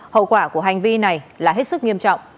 hậu quả của hành vi này là hết sức nghiêm trọng